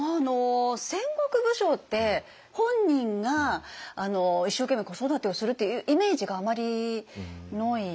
戦国武将って本人が一生懸命子育てをするっていうイメージがあまりない。